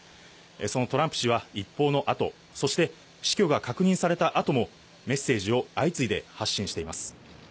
そのトランプ氏は一報のあと、そして死去が確認されたあとも、メッセージを相次いで発信しています。